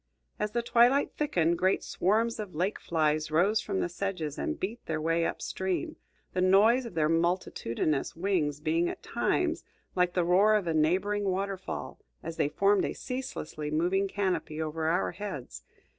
As the twilight thickened, great swarms of lake flies rose from the sedges and beat their way up stream, the noise of their multitudinous wings being at times like the roar of a neighboring waterfall, as they formed a ceaselessly moving canopy over our heads.